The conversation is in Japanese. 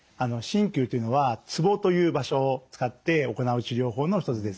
鍼灸っていうのはツボという場所を使って行う治療法の一つです。